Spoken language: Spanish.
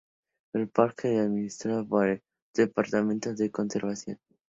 El parque es administrado por el Departamento de Conservación.